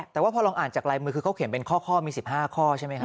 แต่ว่าพอลองอ่านจากลายมือคือเขาเขียนเป็นข้อมี๑๕ข้อใช่ไหมครับ